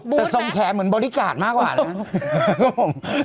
แต่ทรงแขมือนบอลดี้การ์ดมากกว่ะเนี่ย